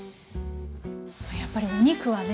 やっぱりお肉はね